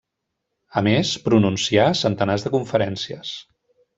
A més pronuncià centenars de conferències.